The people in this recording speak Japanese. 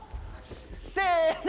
せの。